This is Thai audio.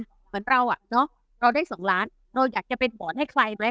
เหมือนเราอ่ะเนอะเราได้สองล้านเราอยากจะเป็นบอร์ดให้ใครไหม